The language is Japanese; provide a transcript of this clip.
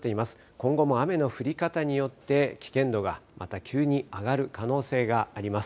今後も雨の降り方によって危険度がまた急に上がる可能性があります。